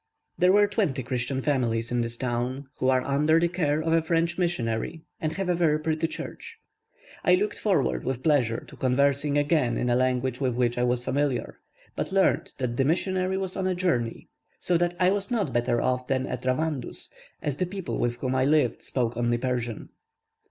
There were twenty Christian families in this town, who are under the care of a French missionary and have a very pretty church. I looked forward with pleasure to conversing again in a language with which I was familiar, but learnt that the missionary was on a journey, so that I was not better off than at Ravandus, as the people with whom I lived spoke only Persian.